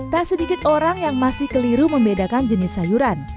tak sedikit orang yang masih keliru membedakan jenis sayuran